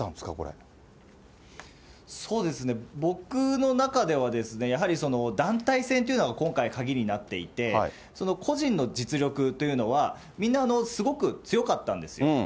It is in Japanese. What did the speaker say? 僕の中では、やはり団体戦というのが、今回鍵になっていて、個人の実力というのは、みんな、すごく強かったんですよ。